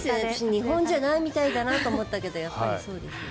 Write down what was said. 日本じゃないみたいだなと思ったけどやっぱりそうですよね。